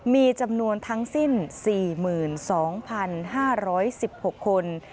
มีจำนวนทั้งสิ้น๔๒๕๑๖คน